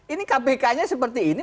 ini kpk nya seperti ini